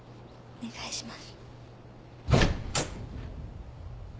「お願いします」